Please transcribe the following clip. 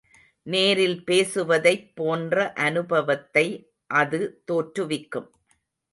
நேரில் பேசுவதைப் போன்ற அனுபவத்தை அது தோற்றுவிக்கும்.